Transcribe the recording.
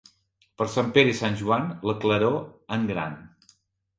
Per Sant Pere i Sant Joan, la claror en gran.